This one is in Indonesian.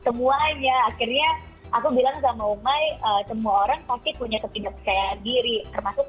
semuanya akhirnya aku bilang sama umai semua orang pasti punya ketidakpercayaan diri termasuk